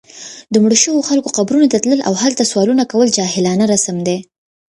د مړو شوو خلکو قبرونو ته تلل، او هلته سوالونه کول جاهلانه رسم دی